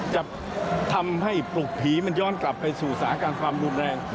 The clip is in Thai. จะทำให้ปลุกผีมันย้อนกลับไปสู่สถานการณ์ความรุนแรง